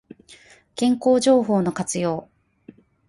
健康情報の活用